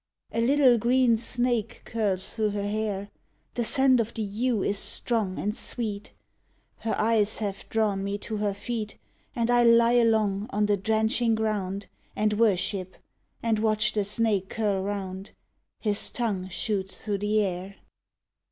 A little green snake curls thro' her hair The scent of the yew is strong and sweet Her eyes have drawn me to her feet, And I lie along on the drenching ground And worship and watch the snake curl round, His tongue shoots thro' the air.